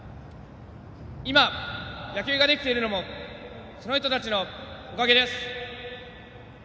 今、野球ができているのもその人たちのおかげです。